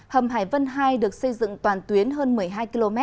hầm hải vân hai được xây dựng toàn tuyến hơn một mươi hai km